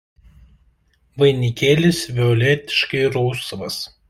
Vainikėlis violetiškai rausvas.